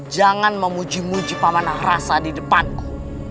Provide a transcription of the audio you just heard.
jangan memuji muji pamanah rasa di depanku